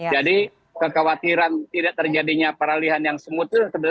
jadi kekhawatiran tidak terjadinya paralihan yang smooth itu sebenarnya sudah kecil